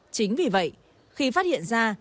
chính vì vậy khi phát hiện ra